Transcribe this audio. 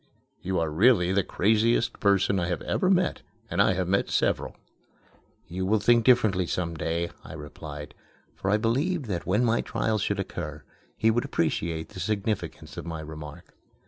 You are really the craziest person I have ever met, and I have met several." "You will think differently some day," I replied; for I believed that when my trial should occur, he would appreciate the significance of my remark.